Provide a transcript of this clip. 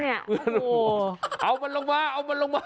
เอามันลงมา